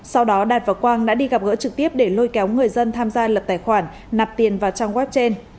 sau đó đạt và quang đã đi gặp gỡ trực tiếp để lôi kéo người dân tham gia lập tài khoản nạp tiền vào trang web trên